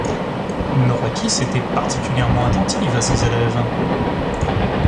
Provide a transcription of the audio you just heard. Nora Kiss était particulièrement attentive à ses élèves.